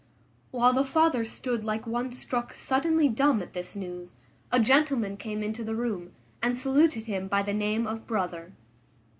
While the father stood like one struck suddenly dumb at this news, a gentleman came into the room, and saluted him by the name of brother.